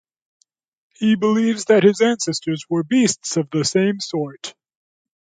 He believes that his ancestors were beasts of the same sort.